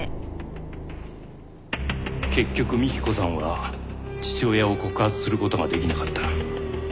結局幹子さんは父親を告発する事が出来なかった。